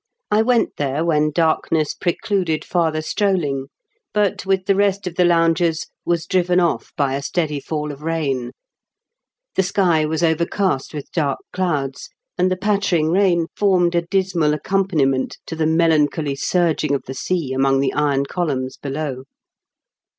I went there when darkness precluded farther strolling, but, with the rest of the loungers, was driven off by a steady faU of rain. The sky was overcast with dark clouds, and the pattering rain formed a dismal ac sea among the iron columns below.